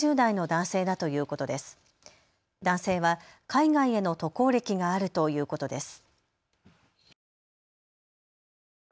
男性は海外への渡航歴があるということです。